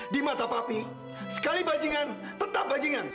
di mata papi sekali bajingan tetap bajingan